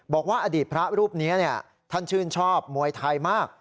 บอกว่าอดีตพระรูปนี้ท่านชื่นชอบมวยไทยมาก